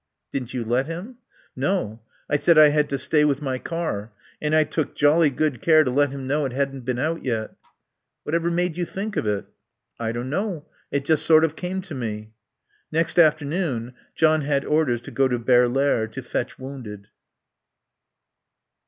"Didn't you let him?" "No. I said I had to stay with my car. And I took jolly good care to let him know it hadn't been out yet." "Whatever made you think of it?" "I don't know. It just sort of came to me." Next afternoon John had orders to go to Berlaere to fetch wounded.